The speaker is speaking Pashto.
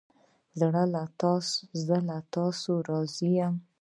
زه له تاسو راضی یم